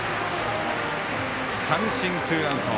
三振、ツーアウト。